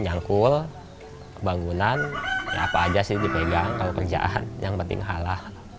nyangkul bangunan ya apa aja sih dipegang kalau kerjaan yang penting halal